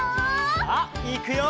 さあいくよ！